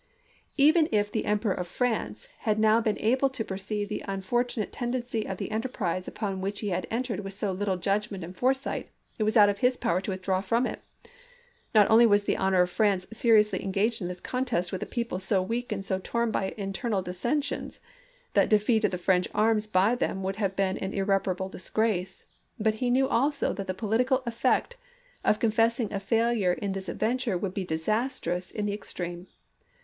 Even if the Emperor of France had now been able to perceive the unfortunate tendency of the enterprise upon which he had entered with so little judgment and foresight, it was out of his power to withdraw from it. Not only was the honor of France seriously engaged in this contest with a people so weak and so torn by internal dissensions that defeat of the French arms by them would have been an irreparable disgrace, but he knew also that the political effect of confessing a failure in this adventure would be disastrous in the ex treme.